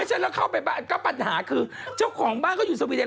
ฉันแล้วเข้าไปบ้านก็ปัญหาคือเจ้าของบ้านเขาอยู่สวีเดน